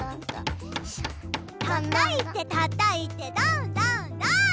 たたいてたたいてどんどんどん！